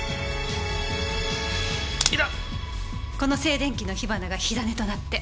この静電気の火花が火種となって。